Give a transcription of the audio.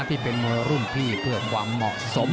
ที่เป็นมวยรุ่นพี่เพื่อความเหมาะสม